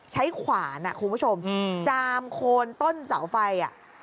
ขวานคุณผู้ชมจามโคนต้นเสาไฟ